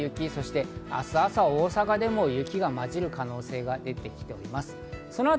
そして明日朝は大阪でも雪がまじる可能性が出てきています。